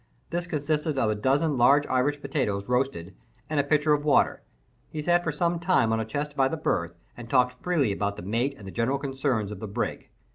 This consisted of a dozen large Irish potatoes roasted, and a pitcher of water. He sat for some time on a chest by the berth, and talked freely about the mate and the general concerns of the brig.